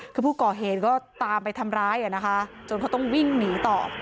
คือผู้ก่อเหตุก็ตามไปทำร้ายนะคะจนเขาต้องวิ่งหนีต่อ